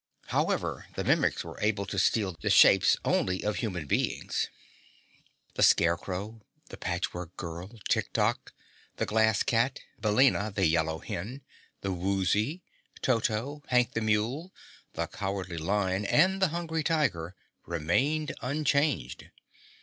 However, the Mimics were able to steal the shapes only of human beings. The Scarecrow, the Patchwork Girl, Tik Tok, the Glass Cat, Billina the Yellow Hen, the Woozy, Toto, Hank the Mule, the Cowardly Lion and the Hungry Tiger remained unchanged.